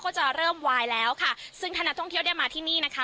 ก็จะเริ่มวายแล้วค่ะซึ่งถ้านักท่องเที่ยวได้มาที่นี่นะคะ